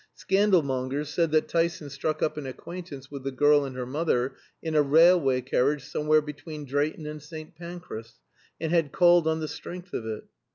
Scandal mongers said that Tyson struck up an acquaintance with the girl and her mother in a railway carriage somewhere between Drayton and St. Pancras, and had called on the strength of it.